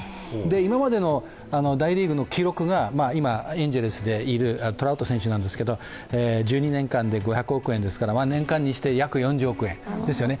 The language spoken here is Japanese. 今までの大リーグの記録が今エンゼルスにいるトラウト選手なんですけど１２年間で５００億円なので年間にして、約４０億円ですよね。